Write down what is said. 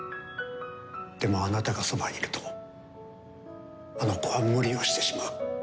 でもあなたがそばにいるとあの子は無理をしてしまう。